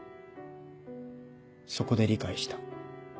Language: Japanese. そこで理解した。